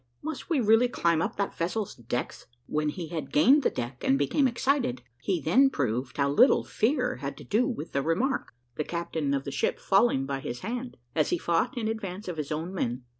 must we really climb up that vessel's decks?" When he had gained the deck, and became excited, he then proved how little fear had to do with the remark, the captain of the ship falling by his hand, as he fought in advance of his own men.